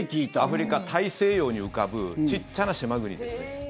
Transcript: アフリカ、大西洋に浮かぶちっちゃな島国です。